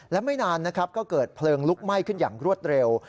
และไม่นานนะครับก็เกิดเพลิงลุกไหม้ขึ้นอย่างรวดเร็ว